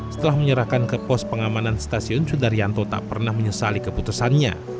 setelah menyerahkan ke pos pengamanan stasiun sudaryanto tak pernah menyesali keputusannya